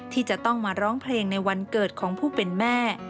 ที่จะต้องมาร้องเพลงในวันเกิดของผู้เป็นแม่